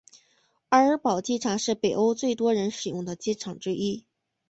奥尔堡机场是北欧最多人使用的机场之一。